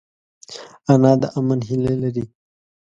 انا د امن هیله لري